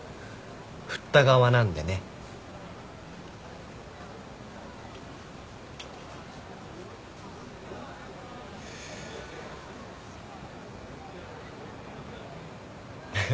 振った側なんでね。えっ？